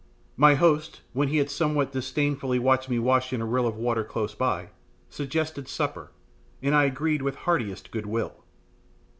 My host, when he had somewhat disdainfully watched me wash in a rill of water close by, suggested supper, and I agreed with heartiest good will.